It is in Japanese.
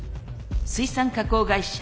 水産加工会社。